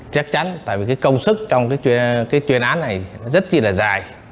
chắc chắn tại vì công sức trong chuyên án này rất là dài